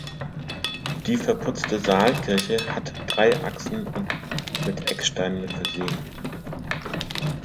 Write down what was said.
Die verputzte Saalkirche hat drei Achsen und mit Ecksteinen versehen.